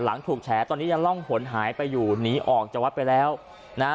หลังถูกแฉตอนนี้ยังร่องหนหายไปอยู่หนีออกจากวัดไปแล้วนะฮะ